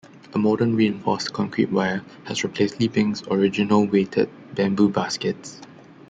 A modern reinforced concrete weir has replaced Li Bing's original weighted bamboo baskets.